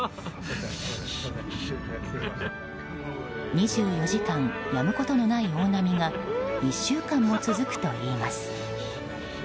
２４時間やむことのない大波が１週間も続くといいます。